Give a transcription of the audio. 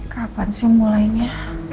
kapan sih mulainya